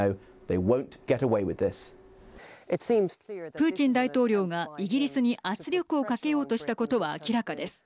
プーチン大統領がイギリスに圧力をかけようとしたことは明らかです。